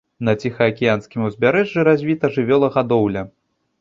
На ціхаакіянскім узбярэжжы развіта жывёлагадоўля.